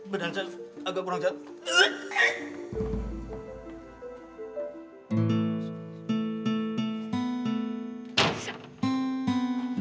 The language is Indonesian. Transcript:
badan saya agak kurang jauh